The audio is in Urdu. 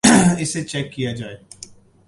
اسے چیک کیا جائے